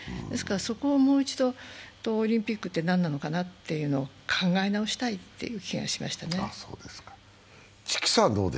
ですから、そこをもう一度オリンピックって何なのかなというのを考え直したいという気がしましたね。